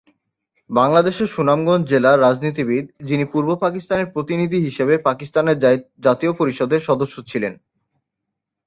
বাংলাদেশের সুনামগঞ্জ জেলার রাজনীতিবিদ যিনি পূর্ব পাকিস্তানের প্রতিনিধি হিসাবে পাকিস্তানের জাতীয় পরিষদের সদস্য ছিলেন।